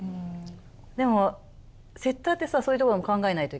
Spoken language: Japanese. セッターってさそういうところも考えないといけないじゃん。